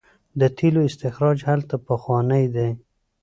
د تیلو استخراج هلته پخوانی دی.